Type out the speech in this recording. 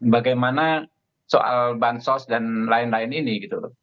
bagaimana soal bansos dan lain lain ini